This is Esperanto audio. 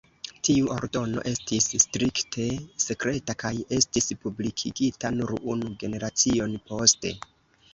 Tiu ordono estis strikte sekreta kaj estis publikigita nur unu generacion poste.